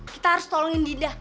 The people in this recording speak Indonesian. kita harus tolongin dinda